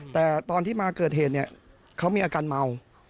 แต่ตอนที่มาเกิดเหตุเนี่ยเขามีอาการเมา